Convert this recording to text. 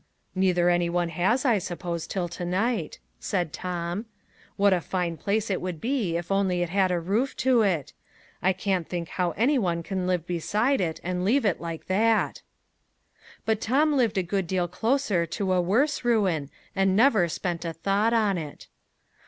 "Neither any one has, I suppose, till to night," said Tom. "What a fine place it would be if only it had a roof to it! I can't think how any one can live beside it and leave it like that!" But Tom lived a good deal closer to a worse ruin, and never spent a thought on it.